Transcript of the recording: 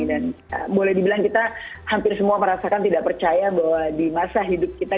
dan boleh dibilang kita hampir semua merasakan tidak percaya bahwa di masa hidup kita